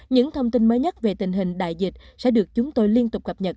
những thông tin mới nhất về tình hình đại dịch sẽ được chúng tôi liên tục cập nhật